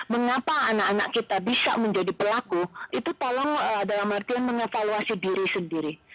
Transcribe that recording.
mengapa anak anak kita bisa menjadi pelaku itu tolong dalam artian mengevaluasi diri sendiri